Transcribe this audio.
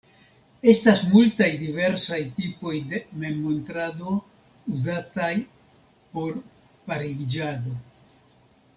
Estas multaj diversaj tipoj de memmontrado uzataj por pariĝado.